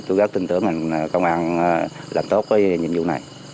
tôi rất tin tưởng ngành công an làm tốt nhiệm vụ này